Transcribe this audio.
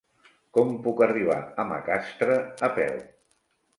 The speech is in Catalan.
Com puc arribar a Macastre a peu?